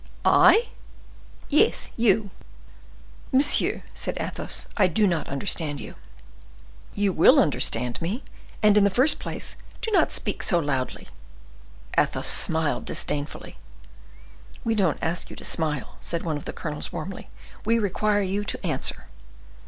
"I?" "Yes, you." "Monsieur," said Athos; "I do not understand you." "You will understand me—and, in the first place, do not speak so loudly." Athos smiled disdainfully. "We don't ask you to smile," said one of the colonels warmly; "we require you to answer."